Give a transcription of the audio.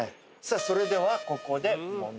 それではここで問題です。